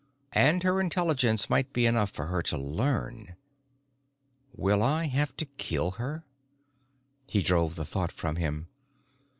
And her intelligence might be enough for her to learn.... Will I have to kill her? He drove the thought from him.